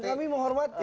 dan kami menghormati